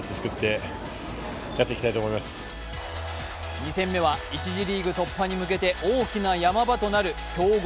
２戦目は１次リーグ突破に向けて大きなヤマ場となる強豪